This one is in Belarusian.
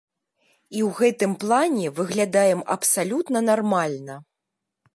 І ў гэтым плане выглядаем абсалютна нармальна.